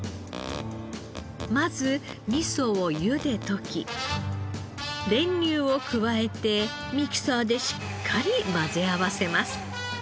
まず味噌を湯で溶き練乳を加えてミキサーでしっかり混ぜ合わせます。